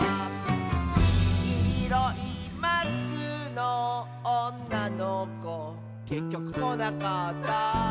「きいろいマスクのおんなのこ」「けっきょくこなかった」